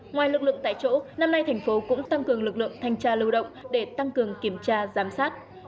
ngoài lực lượng tại chỗ năm nay thành phố cũng tăng cường lực lượng thanh tra lưu động để tăng cường kiểm tra giám sát